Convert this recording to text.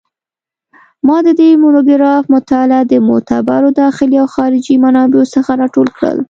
ما د دې مونوګراف مطالب د معتبرو داخلي او خارجي منابعو څخه راټول کړل